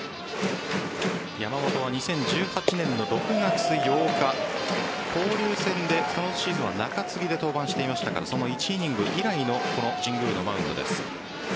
山本は２０１８年の６月８日交流戦で、そのシーズンは中継ぎで登板していましたからその１イニング以来の神宮のマウンドです。